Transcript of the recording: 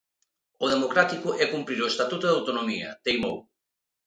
"O democrático é cumprir o Estatuto de Autonomía", teimou.